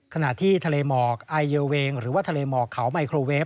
ขณะที่ทะเลหมอกไอเยอเวงหรือว่าทะเลหมอกเขาไมโครเวฟ